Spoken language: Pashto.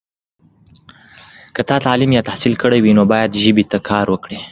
که تا تعلیم یا تحصیل کړی وي، نو باید ژبې ته کار وکړې.